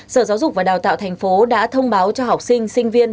sở giáo dục và đào tạo thành phố đã thông báo cho học sinh sinh viên